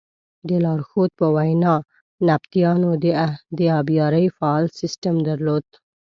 د لارښود په وینا نبطیانو د ابیارۍ فعال سیسټم درلود.